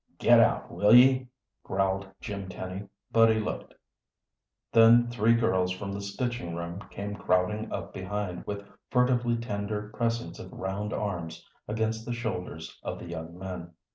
"Get out, will ye?" growled Jim Tenny, but he looked. Then three girls from the stitching room came crowding up behind with furtively tender pressings of round arms against the shoulders of the young men.